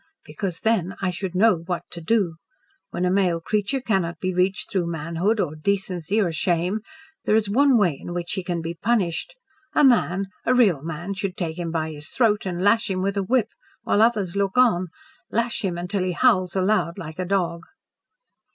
"Because, then I should know what to do. When a male creature cannot be reached through manhood or decency or shame, there is one way in which he can be punished. A man a real man should take him by his throat and lash him with a whip while others look on lash him until he howls aloud like a dog."